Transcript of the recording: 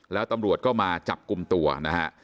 แล้วตำรวจก็มาจับกลุ่มตัวนะฮะ